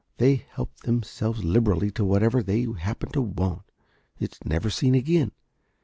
They help themselves liberally to whatever they happen to want. It's never seen again.